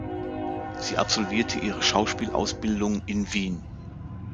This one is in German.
Sie absolvierte ihre Schauspielausbildung in Wien.